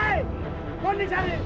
hei kau di sini